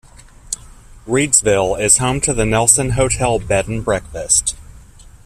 Reidsville is home to the Nelson Hotel Bed and Breakfast.